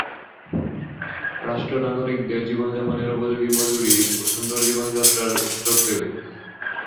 রাষ্ট্র নাগরিকদের জীবনযাপনের উপযোগী মজুরি ও সুন্দর জীবনযাত্রার সুযোগ দেবে।